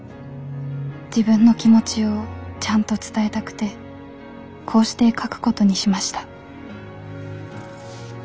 自分の気持ちをちゃんと伝えたくてこうして書くことにしました」。